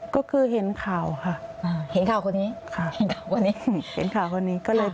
ก็คือเห็นข่าวค่ะ